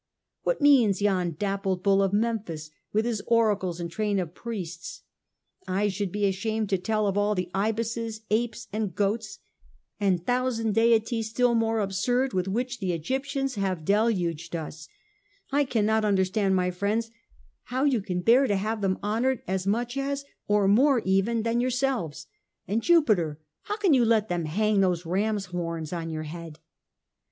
What means yon dappled bull of Memphis, with his oracles and train of priests ? I should be ashamed to tell of all the ibises, apes, and goats, and thousand deities still more absurd, with which the Egyptians have deluged us; and I cannot understand, my friends, how you can bear to have them honoured as much as, or more even than yourselves. And, Jupiter, how can you let them hang those ram's horns on your head?